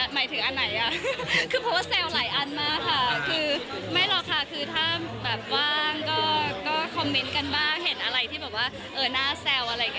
หมายถึงอันไหนอ่ะคือโพสต์แซวหลายอันมากค่ะคือไม่หรอกค่ะคือถ้าแบบว่างก็คอมเมนต์กันบ้างเห็นอะไรที่แบบว่าน่าแซวอะไรอย่างนี้